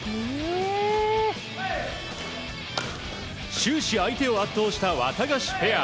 終始、相手を圧倒したワタガシペア。